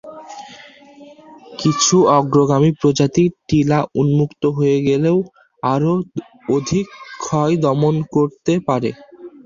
কিছু অগ্রগামী প্রজাতি টিলা উন্মুক্ত হয়ে গেলেও আরও অধিক ক্ষয় দমন করতে পারে।